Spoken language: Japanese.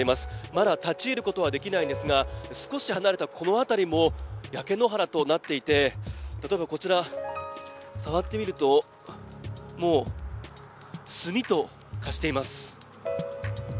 まだ立ち入ることできないんですが、少し離れたこの辺りも焼け野原となっていて、例えばこちら、触ってみると、もう炭と化しています。